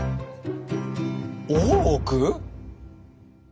「大奥」？